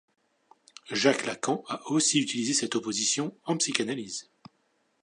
Jacques Lacan a aussi utilisé cette opposition en psychanalyse.